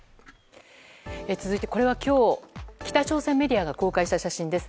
続いて、これは今日北朝鮮メディアが公開した写真です。